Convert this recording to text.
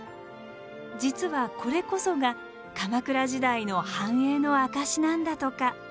実はこれこそが鎌倉時代の繁栄の証しなんだとか。